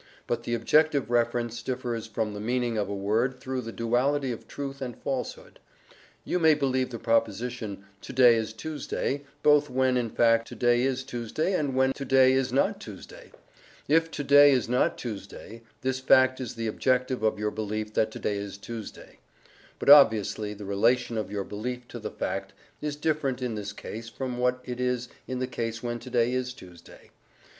But the objective reference differs from the meaning of a word through the duality of truth and falsehood. You may believe the proposition "to day is Tuesday" both when, in fact, to day is Tuesday, and when to day is not Tuesday. If to day is not Tuesday, this fact is the objective of your belief that to day is Tuesday. But obviously the relation of your belief to the fact is different in this case from what it is in the case when to day is Tuesday.